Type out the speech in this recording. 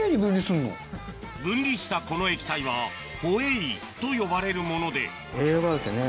分離したこの液体はホエイと呼ばれるもので栄養があるんですよね。